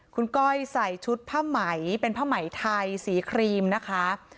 คุณก้อยใส่ชุดผ้าไหมเป็นผ้าไหมไทยสีครีมนะคะ